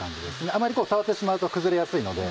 あまり触ってしまうと崩れやすいので。